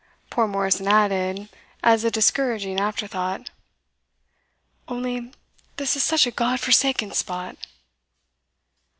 Poor Morrison added, as a discouraging afterthought: "Only this is such a God forsaken spot."